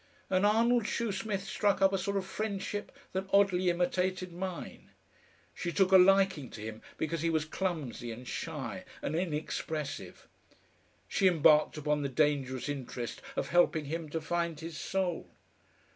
And Arnold Shoesmith struck up a sort of friendship that oddly imitated mine. She took a liking to him because he was clumsy and shy and inexpressive; she embarked upon the dangerous interest of helping him to find his soul.